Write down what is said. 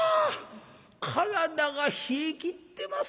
体が冷えきってます